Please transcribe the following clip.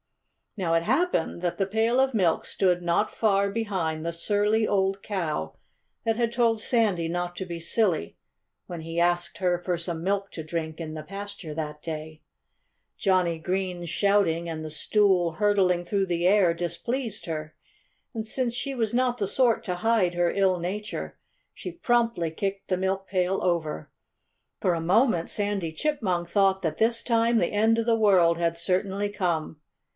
Now it happened that the pail of milk stood not far behind the surly old cow that had told Sandy not to be silly, when he asked her for some milk to drink, in the pasture that day. Johnnie Green's shouting and the stool hurtling through the air displeased her. And since she was not the sort to hide her ill nature, she promptly kicked the milkpail over. For a moment Sandy Chipmunk thought that this time the end of the world had certainly come.